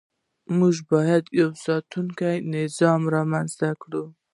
موږ باید یو ساتونکی نظام رامنځته کړو.